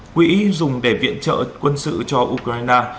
quỹ dùng để viện trợ quân sự cho ukraine